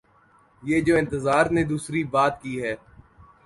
یہ جو انتظار نے دوسری بات کی ہے۔